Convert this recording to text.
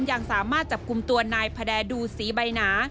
ยังสามารถจับกลุ่มตัวนายพระแดดูสีใบหนา